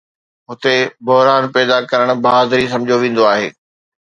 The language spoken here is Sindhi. هتي، بحران پيدا ڪرڻ بهادري سمجهيو ويندو آهي.